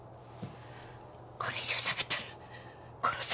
これ以上しゃべったら殺される。